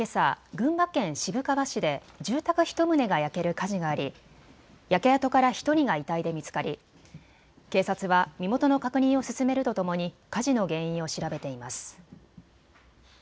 群馬県渋川市で住宅１棟が焼ける火事があり焼け跡から１人が遺体で見つかり警察は身元の確認を進めるとともに火事の原因を調べています。